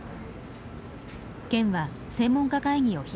県は専門家会議を開きました。